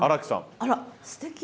あらすてき！